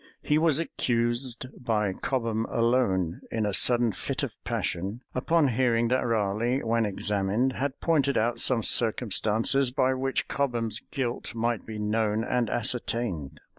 He was accused by Cobham alone, in a sudden fit of passion, upon hearing that Raleigh, when examined, had pointed out some circumstances by which Cobham's guilt might be known and ascertained.